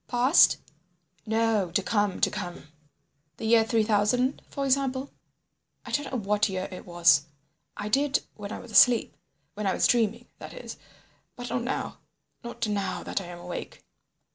"Past?" "No, to come—to come." "The year three thousand, for example?" "I don't know what year it was. I did when I was asleep, when I was dreaming, that is, but not now—not now that I am awake.